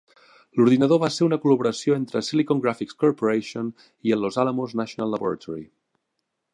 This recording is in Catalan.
L'ordinador va ser una col·laboració entre la Silicon Graphics Corporation i el Los Alamos National Laboratory.